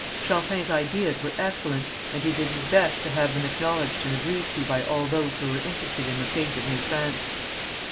Champlain's ideas were excellent, and he did his best to have them acknowledged and agreed to by all those who were interested in the fate of New France.